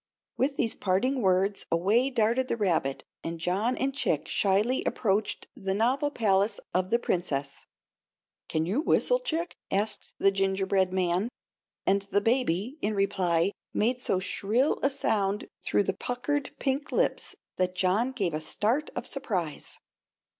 With these parting words away darted the rabbit, and John and Chick shyly approached the novel palace of the Princess. "Can you whistle, Chick?" asked the gingerbread man; and the Baby, in reply, made so shrill a sound through the puckered pink lips that John gave a start of surprise.